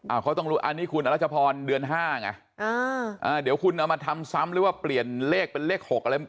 เขาต้องรู้อันนี้คุณอรัชพรเดือนห้าไงอ่าอ่าเดี๋ยวคุณเอามาทำซ้ำหรือว่าเปลี่ยนเลขเป็นเลขหกอะไร